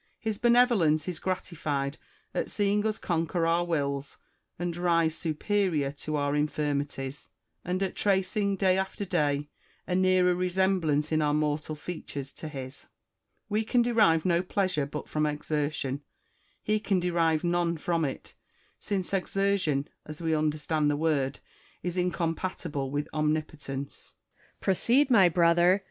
His benevolence is gratified at seeing us conquer our wills and rise superior to our infirmi ties, and at tracing day after day a nearer resemblance in our moral features to his. We can derive no pleasure but from exertion ; he can derive none from it : since exertion, as we understand the word, is incompatible with omnipotence. Quinctus. Proceed, my brother !